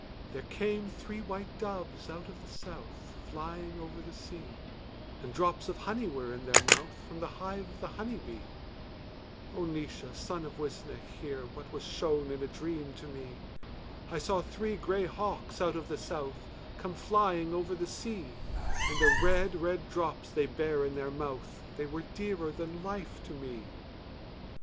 There came three white doves out of the South Flying over the sea, And drops of honey were in their mouth From the hive of the honey bee. O Naois, son of Uisnech, hear, What was shown in a dream to me. I saw three grey hawks out of the south Come flying over the sea, And the red red drops they bare in their mouth They were dearer than life to me.